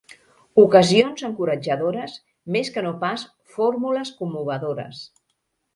Ocasions encoratjadores, més que no pas fórmules commovedores.